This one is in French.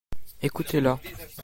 Écoutez-la.